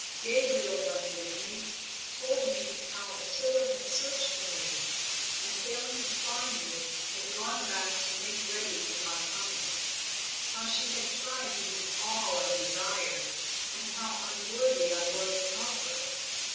Gabriel went with me, told me how Ottila had searched for me, and failing to find me had gone back to make ready for my coming. How she had tried to be all I desired, and how unworthy I was of her.